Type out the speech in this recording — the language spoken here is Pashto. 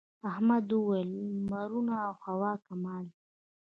احمد وويل: لمرونه او هوا کمال دي.